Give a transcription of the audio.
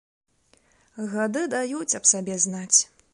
Гады даюць аб сабе знаць.